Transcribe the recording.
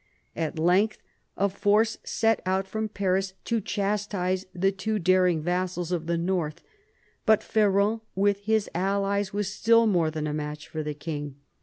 At length a force set out from Paris to chastise the too daring vassals of the north. But Ferrand with his allies was still more than a match for the king.